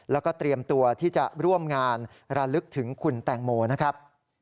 แล้วก็เตรียมตัวที่จะร่วมงานระลึกถึงคุณแตงโมนะครับ